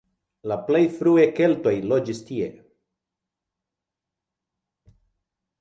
La plej frue keltoj loĝis tie.